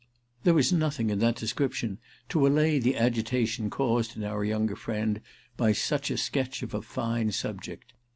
There was nothing in that description to allay the agitation caused in our younger friend by such a sketch of a fine subject.